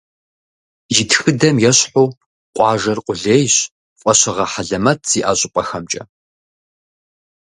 И тхыдэм ещхьу, къуажэр къулейщ фӏэщыгъэ хьэлэмэт зиӏэ щӏыпӏэхэмкӏэ.